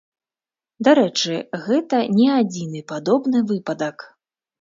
Дарэчы, гэта не адзіны падобны выпадак.